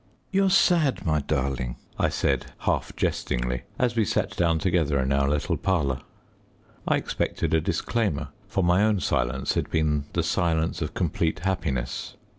"You are sad, my darling," I said, half jestingly, as we sat down together in our little parlour. I expected a disclaimer, for my own silence had been the silence of complete happiness.